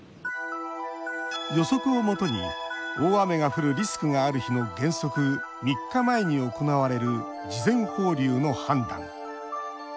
予測をもとに大雨が降るリスクがある日の原則３日前に行われる事前放流の判断。